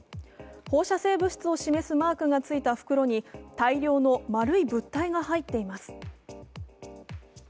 放射性物質を示すマークがついた袋に大量の丸い物体が入っています。